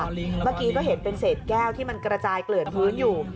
เมื่อกี้ก็เห็นเป็นเศษแก้วที่มันกระจายเกลื่อนพื้นอยู่